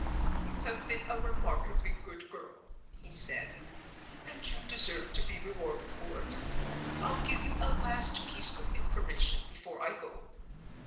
"You have been a remarkably good girl," he said, "and you deserve to be rewarded for it. I'll give you a last piece of information before I go.